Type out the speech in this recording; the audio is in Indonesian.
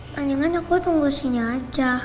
mendingan aku tunggu sini aja